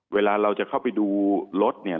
เวลาเราจะเข้าไปดูรถเนี่ย